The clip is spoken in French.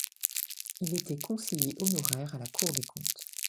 Il était conseiller honoraire à la Cour des Comptes.